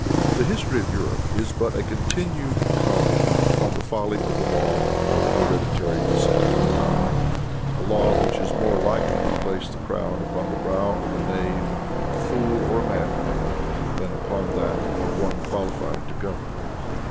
The history of Europe is but a continued comment upon the folly of the law of the hereditary descent of power, a law which is more likely to place the crown upon the brow of a knave, a fool or a madman, than upon that of one qualified to govern.